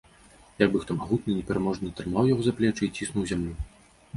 Як бы хто магутны, непераможны трымаў яго за плечы і ціснуў у зямлю.